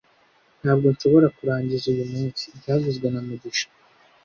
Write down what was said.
Ntabwo nshobora kurangiza uyu munsi byavuzwe na mugisha